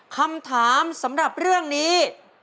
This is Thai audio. คำถามสำหรับเรื่องนี้